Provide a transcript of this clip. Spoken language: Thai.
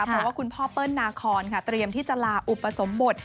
เพราะว่าคุณพ่อเปิ้ลนาคอนค่ะเตรียมที่จะลาอุปสมบท